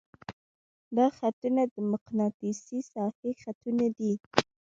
دا خطونه د مقناطیسي ساحې خطونه دي.